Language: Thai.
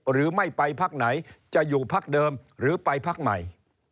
หรือไม่ไปพักไหนจะอยู่พักเดิมหรือไปพักใหม่